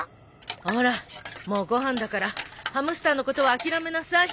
ほらもうご飯だからハムスターのことは諦めなさい。